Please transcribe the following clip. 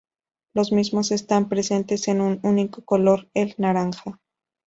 Los mismos están presentes en un único color, el naranja.